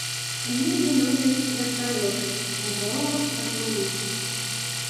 У небе лётаюць верталёты, на дарогах патрулі.